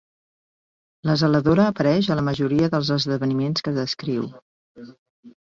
La zeladora apareix a la majoria dels esdeveniments que descriu.